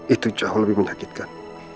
itu jauh lebih menyakitkan